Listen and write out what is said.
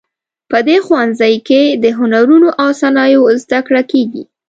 په دې ښوونځي کې د هنرونو او صنایعو زده کړه کیږي